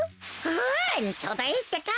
うんちょうどいいってか！